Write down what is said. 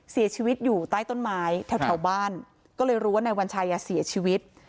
เสียชีวิตอยู่ใต้ต้นไม้แถวบ้านก็เลยรู้ว่านายวัญชัยเสียชีวิต